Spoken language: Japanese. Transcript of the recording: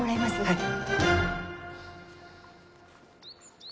はい。